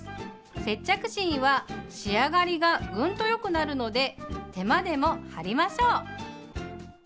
接着芯は仕上がりがグンとよくなるので手間でも貼りましょう。